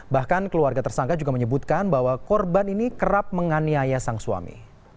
bahkan keluarga tersangka juga menyebutkan bahwa korban ini kerap menganiaya sang suami